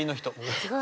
すごい。